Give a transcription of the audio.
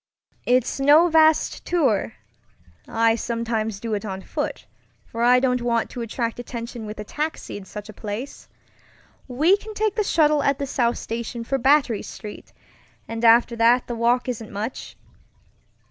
It's no vast tourŌĆöI sometimes do it on foot, for I don't want to attract attention with a taxi in such a place. We can take the shuttle at the South Station for Battery Street, and after that the walk isn't much."